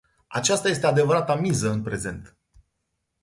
Aceasta este adevărata miză în prezent.